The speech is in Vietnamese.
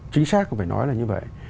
chính xác cũng phải nói là như vậy